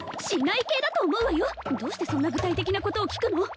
しない系だと思うわよどうしてそんな具体的なことを聞くの？